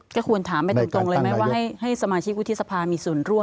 ก็ควรถามไปตรงเลยไหมว่าให้สมาชิกวุฒิสภามีส่วนร่วม